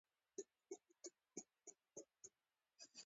په دې کلي کي ناپوه طبیبان ډیر دي